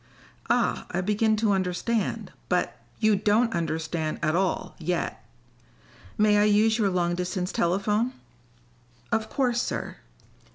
"Ah, I begin to understand. But " "You don't understand at all, yet. May I use your long distance telephone?" "Of course, sir."